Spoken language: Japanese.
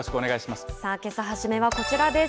さあ、けさ初めはこちらです。